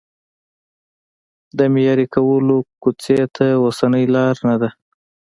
د معیاري کولو کوڅې ته اوسنۍ لار نه ده.